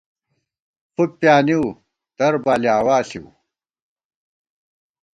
فُک پیانِیؤ/ تر بالِی آوا ݪِؤ